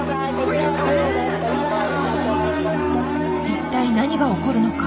一体何が起こるのか？